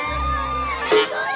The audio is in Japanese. すごい！